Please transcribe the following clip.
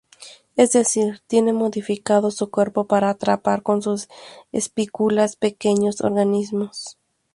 Es decir, tienen modificado su cuerpo para atrapar con sus espículas pequeños organismos.